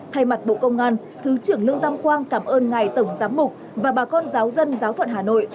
thay mặt bộ công an thứ trưởng lương tam quang cảm ơn ngài tổng giám mục và bà con giáo dân giáo phận hà nội